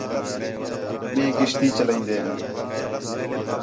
ٻئے کشتی چلائیندین